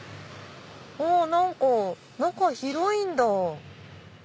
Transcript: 何か中広いんだ。